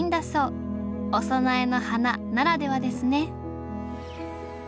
お供えの花ならではですね